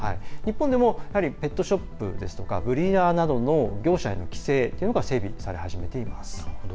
日本でもペットショップですとかブリーダーや業者への規制というのが整備され始めています。